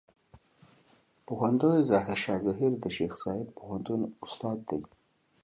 پوهندوی ظاهر شاه زهير د شیخ زايد پوهنتون استاد دی.